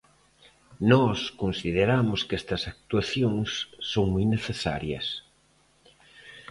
Nós consideramos que estas actuacións son moi necesarias.